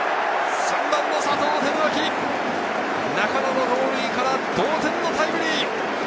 ３番・佐藤輝明、中野の盗塁から同点タイムリー！